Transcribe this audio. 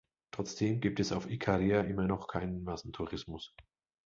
Trotzdem gibt es auf Ikaria immer noch keinen Massentourismus.